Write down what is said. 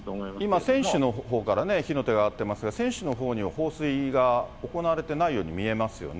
今、船首のほうからね、火の手が上がっていますが、船首のほうには放水が行われてないように見えますよね。